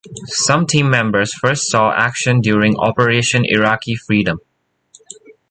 Some team members first saw action during Operation Iraqi Freedom.